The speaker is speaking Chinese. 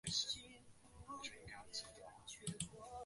性交时套在龟头的状沟上或阴茎根部。